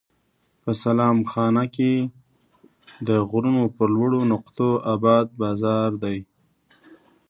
په سلام خانه کې د غرونو پر لوړو نقطو اباد بازار دی.